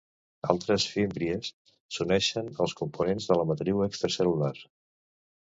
Altres fímbries s'uneixen als components de la matriu extracel·lular.